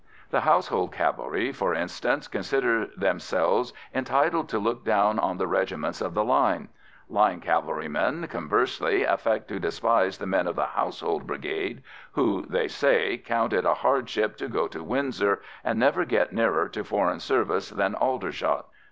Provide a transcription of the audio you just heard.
The Household Cavalry, for instance, consider themselves entitled to look down on the regiments of the line; line cavalrymen, conversely, affect to despise the men of the Household Brigade, who, they say, count it a hardship to go to Windsor and never get nearer to foreign service than Aldershot.